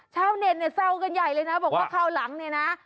เช้าเน่นเนี่ยเศร้ากันใหญ่เลยนะบอกว่าข้าวหลังเนี่ยนะ